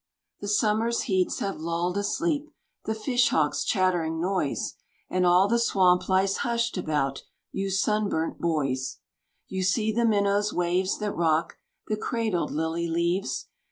The summer's heats have lulled asleep The fish hawk's chattering noise, And all the swamp lies hushed about You sunburnt boys. You see the minnow's waves that rock The cradled lily leaves.